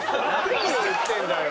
何を言ってんだよ！